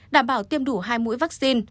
đảm bảo tiêm đủ hai mũi vaccine